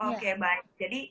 oke baik jadi